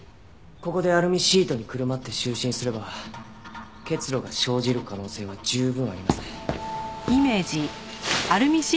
ここでアルミシートにくるまって就寝すれば結露が生じる可能性は十分ありますね。